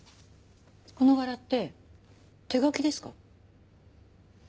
この柄って手描きですか？